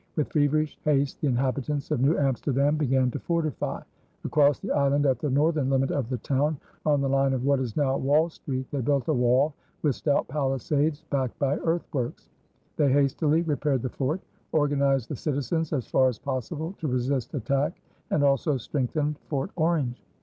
With feverish haste the inhabitants of New Amsterdam began to fortify. Across the island at the northern limit of the town, on the line of what is now Wall Street, they built a wall with stout palisades backed by earthworks. They hastily repaired the fort, organized the citizens as far as possible to resist attack, and also strengthened Fort Orange.